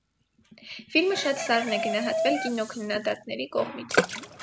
Ֆիլմը շատ սառն է գնահատվել կինոքննադատների կողմից։